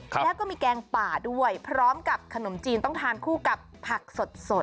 แล้วก็มีแกงป่าด้วยพร้อมกับขนมจีนต้องทานคู่กับผักสด